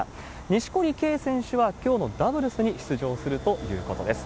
錦織圭選手は、きょうのダブルスに出場するということです。